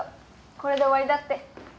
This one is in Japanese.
これで終わりだって。